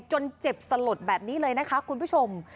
จนเจ็บสลดแบบนี้เลยนะคะคุณผู้ชม